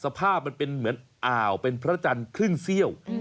สภาพมันเป็นเหมือนอ่าวเป็นพระจันทร์ครึ่งเซี่ยว